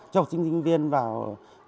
trọng sinh sinh viên vào